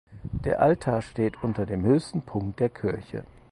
Der Altar steht unter dem höchsten Punkt der Kirche.